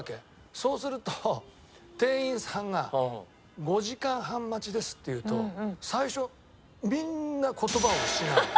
そうすると店員さんが５時間半待ちですって言うと最初みんな言葉を失うの。